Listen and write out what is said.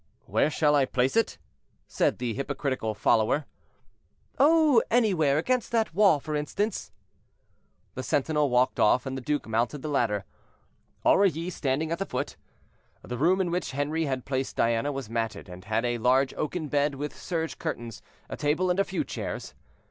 "Where shall I place it?" said the hypocritical follower. "Oh, anywhere; against that wall, for instance." The sentinel walked off, and the duke mounted the ladder, Aurilly standing at the foot. The room in which Henri had placed Diana was matted, and had a large oaken bed with serge curtains, a table, and a few chairs.